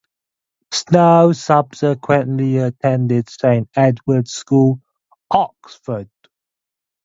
Snow subsequently attended Saint Edward's School, Oxford.